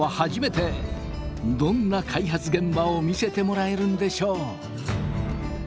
どんな開発現場を見せてもらえるんでしょう？